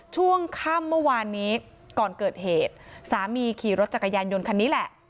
ช่วงค่ำเมื่อวานนี้ก่อนเกิดเหตุสามีขี่รถจักรยานยนต์คันนี้แหละ